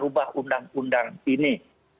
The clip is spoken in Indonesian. ubah undang undang ini